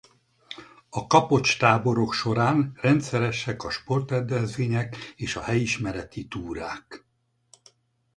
A Kapocs-táborok során rendszeresek a sportrendezvények és a helyismereti túrák.